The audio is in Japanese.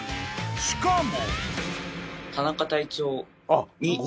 ［しかも］